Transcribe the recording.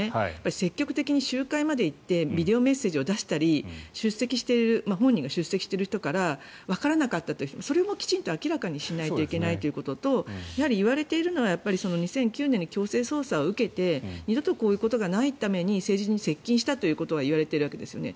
積極的に集会まで行ってビデオメッセージを出したり本人が出席している人からわからない人までそこまで明らかにするのと言われているのは２００９年に強制捜査を受けて二度とこういうことがないように政治に接近したということが言われているわけですよね。